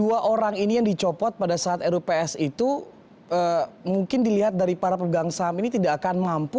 ya apakah kedua orang ini yang dicopot pada saat fashion magazine itu mungkin dilihat dari para pemegang saham ini tidak akan mampu